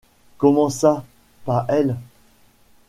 Comment ça, « pas elle »?